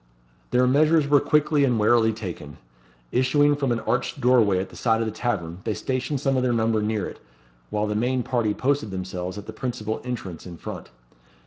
Their measures were quickly and warily taken. Issuing from an arched doorway at the side of the tavern, they stationed some of their number near it, while the main party posted themselves at the principal entrance in front.